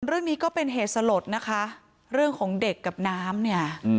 ก็เป็นเหตุสลดนะคะเรื่องของเด็กกับน้ำเนี่ย